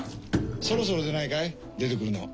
そろそろでないかい出てくるの。